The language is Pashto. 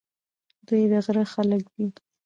دوی د غره خلک دي.